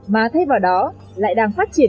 mà thay vào đó lại đang phát triển